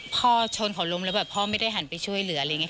พ่อชนเขาล้มแล้วแบบพ่อไม่ได้หันไปช่วยเหลืออะไรอย่างนี้